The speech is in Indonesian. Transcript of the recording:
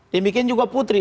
demikian juga putri